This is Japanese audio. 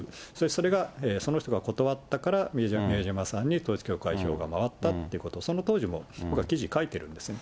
それがその人が断ったから宮島さんに統一教会票が回ったということ、その当時も僕は記事を書いているんですね。